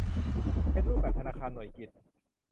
เป็นรูปแบบธนาคารหน่วยกิต